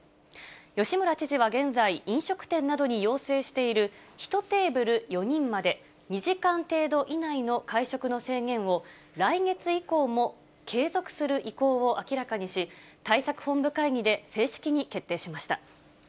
吉村知事は、現在、飲食店などに要請している１テーブル４人まで、２時間程度以内の会食の制限を、来月以降も継続する意向を明らかにし、対策本部会議で正式に決定しました。